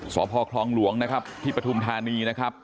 สคลองหลวงที่ปฐุมธานีนะครับ